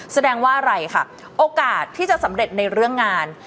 แสดงว่าอะไรค่ะโอกาสที่จะสำเร็จในเรื่องงาน